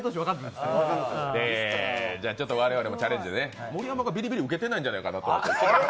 我々もチャレンジで、盛山君ビリビリ受けてないんじゃないかなと。